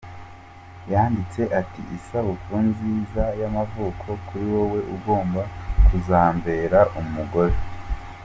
Y yanditse ati “Isabukuru nziza y’amavuko kuri wowe ugomba kuzambera umugore.